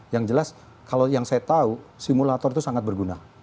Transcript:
yang jelas kalau yang saya tahu simulator itu sangat berguna